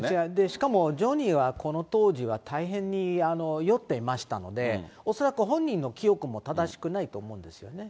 しかもジョニーはこの当時は、大変に酔ってましたので、恐らく本人の記憶も正しくないと思うんですよね。